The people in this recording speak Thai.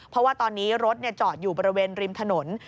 เพราะว่าตอนนี้รถจอดอยู่บริเวณริมถนน